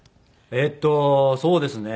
えっとそうですね。